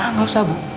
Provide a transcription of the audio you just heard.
nggak usah bu